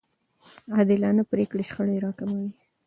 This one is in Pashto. عادلانه پرېکړې شخړې راکموي.